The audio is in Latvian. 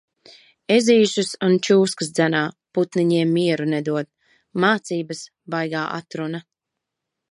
Ezīšus un čūskas dzenā, putniņiem mieru nedod. Mācības, baigā atruna.